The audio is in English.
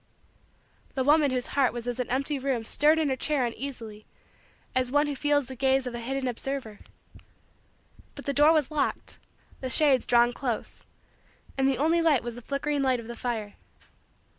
The woman whose heart was as an empty room stirred in her chair uneasily as one who feels the gaze of a hidden observer. But the door was locked, the shades drawn close, and the only light was the flickering light of the fire.